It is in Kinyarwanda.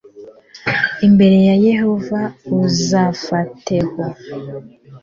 imbere ya yehova uzafateho